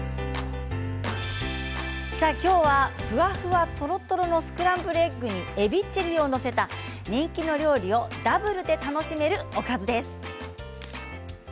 今日はフワフワとろとろのスクランブルエッグにえびチリを載せた人気の料理をダブルで楽しめるおかずです。